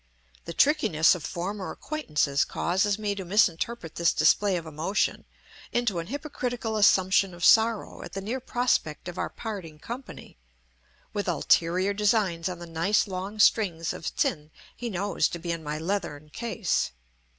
The trickiness of former acquaintances causes me to misinterpret this display of emotion into an hypocritical assumption of sorrow at the near prospect of our parting company, with ulterior designs on the nice long strings of tsin he knows to be in my leathern case.